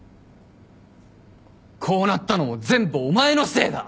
こうなったのも全部お前のせいだ！